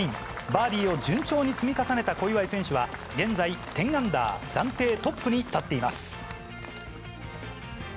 バーディーを順調に積み重ねた小祝選手は、現在１０アンダー、暫定トップに立っています。